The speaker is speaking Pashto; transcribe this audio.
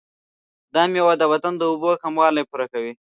دا میوه د بدن د اوبو کموالی پوره کوي.